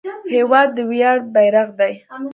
هېواد د ویاړ بیرغ دی.